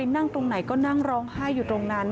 นั่งตรงไหนก็นั่งร้องไห้อยู่ตรงนั้น